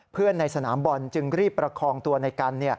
ในสนามบอลจึงรีบประคองตัวในกัน